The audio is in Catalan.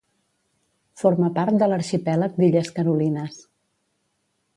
Forma part de l'arxipèlag d'illes Carolines.